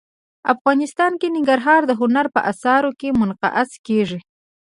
افغانستان کې ننګرهار د هنر په اثار کې منعکس کېږي.